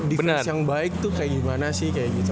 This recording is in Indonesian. attitude yang defense yang baik tuh kayak gimana sih kayak gitu